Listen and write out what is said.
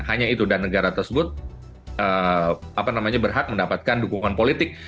hanya itu dan negara tersebut berhak mendapatkan dukungan politik